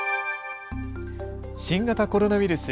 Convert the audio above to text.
新型コロナウイルス。